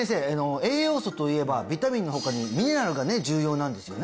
栄養素といえばビタミンの他にミネラルがね重要なんですよね？